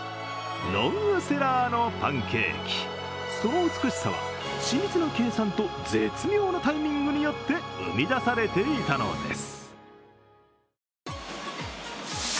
ロングセラーのパンケーキ、その美しさは緻密な計算と絶妙なタイミングによって生み出されていたのです。